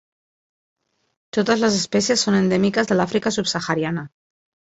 Totes les espècies són endèmiques de l'Àfrica subsahariana.